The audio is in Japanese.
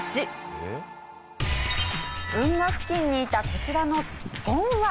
運河付近にいたこちらのスッポンは。